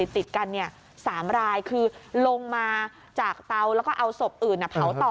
ติดกัน๓รายคือลงมาจากเตาแล้วก็เอาศพอื่นเผาต่อ